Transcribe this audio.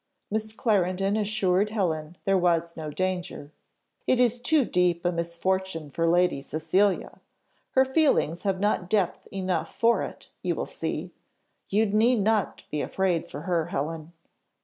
Miss Clarendon assured Helen there was no danger. "It is too deep a misfortune for Lady Cecilia. Her feelings have not depth enough for it, you will see. You need not be afraid for her, Helen."